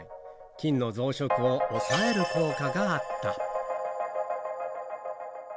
菌の増殖を抑える効果があった。